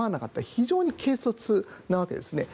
非常に軽率なわけですね。